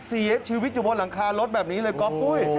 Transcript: เสียชีวิตอยู่บนหลังคารถแบบนี้เลยก๊อฟปุ้ย